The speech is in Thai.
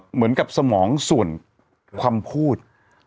เหมือนกับสมองส่วนความพูด